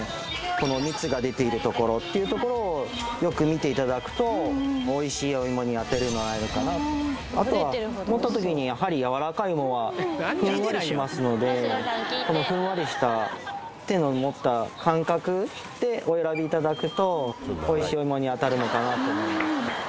この蜜が出ているところっていうところをよく見ていただくとおいしいおいもに会えるかなあとは持った時にやはりやわらかい方がふんわりしますのでふんわりした手の持った感覚でお選びいただくとおいしいおいもに当たるのかなと思います